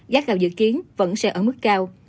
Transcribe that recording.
giá gạo dự kiến vẫn sẽ ở mức cao